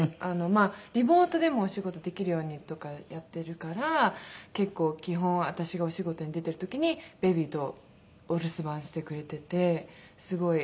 リモートでもお仕事できるようにとかやってるから結構基本は私がお仕事に出てる時にベビーとお留守番してくれててすごい。